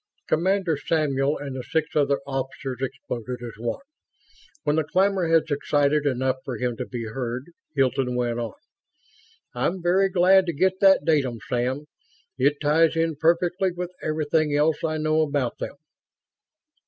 Commander Samuel and the six other officers exploded as one. When the clamor had subsided enough for him to be heard, Hilton went on: "I'm very glad to get that datum, Sam. It ties in perfectly with everything else I know about them."